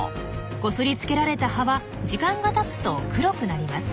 こすりつけられた葉は時間がたつと黒くなります。